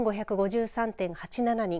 １５５３．８７人。